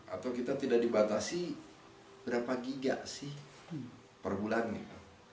atau kita tidak dibatasi berapa giga sih per bulannya